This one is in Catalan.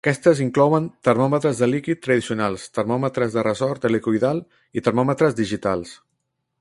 Aquestes inclouen termòmetres de líquid tradicionals, termòmetres de ressort helicoidal i termòmetres digitals.